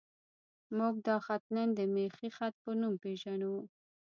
موږ دا خط نن د میخي خط په نوم پېژنو.